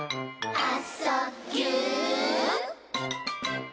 「あ・そ・ぎゅ」